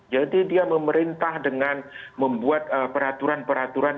jadi dia memerintah dengan membuat peraturan peraturan